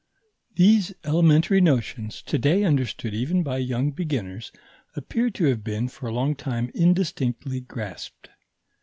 These elementary notions, to day understood even by young beginners, appear to have been for a long time indistinctly grasped.